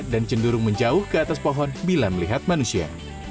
dan cenderung menjauh ke atas pohon bila melihat manusia